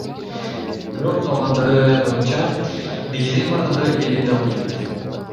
Бирок калгандары боюнча, негизинен бардыгы эле дал келет.